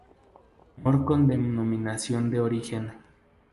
Humor con Denominación de Origen".